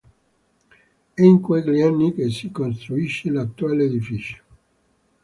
È in quegli anni che si costruisce l'attuale edificio.